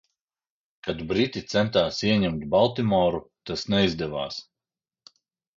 Kad briti centās ieņemt Baltimoru, tas neizdevās.